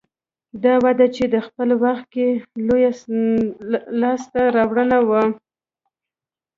دا وده چې په خپل وخت کې لویه لاسته راوړنه وه